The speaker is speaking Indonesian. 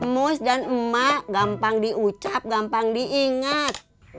mus dan emak gampang diucap gampang diingat